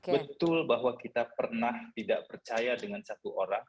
betul bahwa kita pernah tidak percaya dengan satu orang